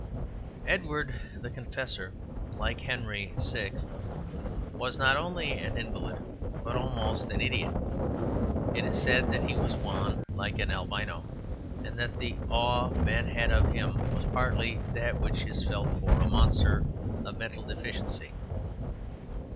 Edward the Confessor, like Henry VI., was not only an invalid but almost an idiot. It is said that he was wan like an albino, and that the awe men had of him was partly that which is felt for a monster of mental deficiency.